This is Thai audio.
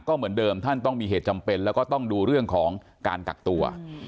ก็เหมือนเดิมท่านต้องมีเหตุจำเป็นแล้วก็ต้องดูเรื่องของการกักตัว